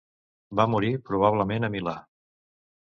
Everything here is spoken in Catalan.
Va morir probablement a Milà.